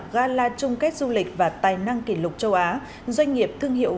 gala chung kết du lịch và tài năng kỷ lục châu á doanh nghiệp thương hiệu